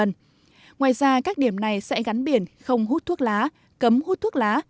ngoài ra các điểm này sẽ gắn biển không hút thuốc lá cấm hút thuốc lá